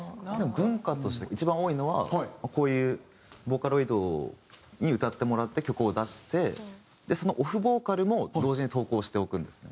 文化として一番多いのはこういうボーカロイドに歌ってもらって曲を出してそのオフボーカルも同時に投稿しておくんですね。